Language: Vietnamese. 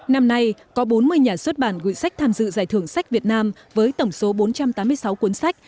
năm nay có bốn mươi nhà xuất bản gửi sách tham dự giải thưởng sách việt nam với tổng số bốn trăm tám mươi sáu cuốn sách